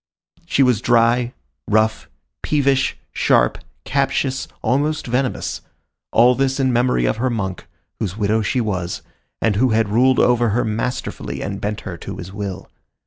She was dry, rough, peevish, sharp, captious, almost venomous; all this in memory of her monk, whose widow she was, and who had ruled over her masterfully and bent her to his will.